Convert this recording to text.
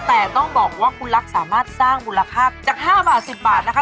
แต่ต้องบอกว่าคุณรักสามารถสร้างมูลค่าจาก๕บาท๑๐บาทนะคะ